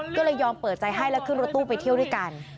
ก็เลยยอมเปิดใจให้แล้วขึ้นรถตู้ไปเที่ยวด้วยกัน